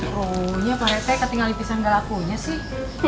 ruhnya parete ketinggalin pisang galakunya sih